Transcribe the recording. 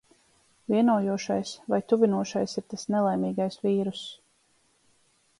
Vienojošais vai tuvinošais ir tas nelaimīgais vīruss.